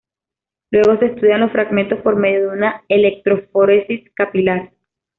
Luego se estudian los fragmentos por medio de una electroforesis capilar.